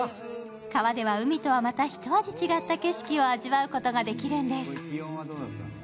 川では海とはまたひと味違う景色を味わうことができるんです。